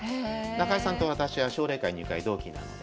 中井さんと私は奨励会入会同期なので。